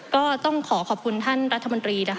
ก็ต้องขอขอบคุณท่านรัฐมนตรีนะคะ